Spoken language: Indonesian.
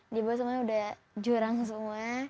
dibawah semuanya udah jurang semua